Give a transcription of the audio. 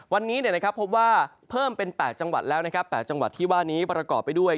วันนี้พบว่าเพิ่มเป็น๘จังหวัดแล้วนะครับ๘จังหวัดที่ว่านี้ประกอบไปด้วย